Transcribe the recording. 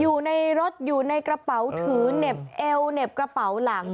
อยู่ในรถอยู่ในกระเป๋าถือเหน็บเอวเหน็บกระเป๋าหลัง